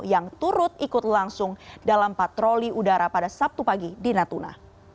yang turut ikut langsung dalam patroli udara pada sabtu pagi di natuna